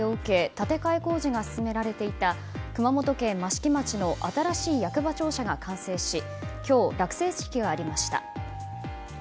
建て替え工事が進められていた熊本県益城町の新しい役場庁舎が完成し今日、落成式がありました。